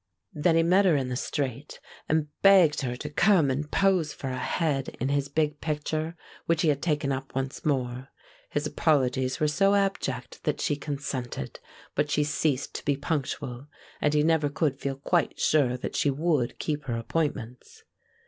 Then he met her in the street, and begged her to come and pose for a head in his big picture, which he had taken up once more. His apologies were so abject that she consented, but she ceased to be punctual, and he never could feel quite sure that she would keep her appointments.